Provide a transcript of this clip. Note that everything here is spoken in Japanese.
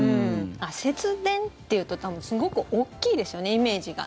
節電というとすごく大きいですよねイメージが。